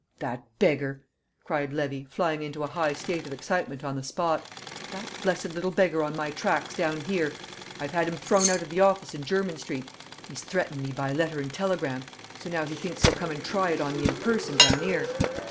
"That beggar!" cried Levy, flying into a high state of excitement on the spot. "That blessed little beggar on my tracks down here! I've 'ad him thrown out of the office in Jermyn Street; he's threatened me by letter and telegram; so now he thinks he'll come and try it on in person down 'ere.